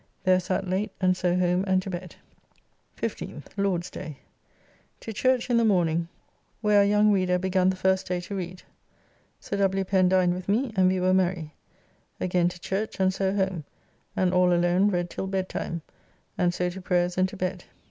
There sat late, and so home and to bed. 15th (Lord's day). To church in the morning, where our young Reader begun the first day to read. Sir W. Pen dined with me and we were merry. Again to church and so home, and all alone read till bedtime, and so to prayers and to bed.